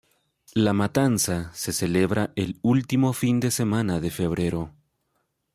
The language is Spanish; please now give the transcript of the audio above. La matanza se celebra el último fin de semana de febrero.